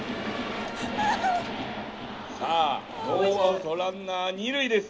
「さあノーアウトランナー二塁です。